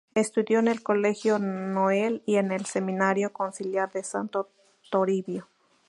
Estudió en el Colegio Noel y en el Seminario Conciliar de Santo Toribio.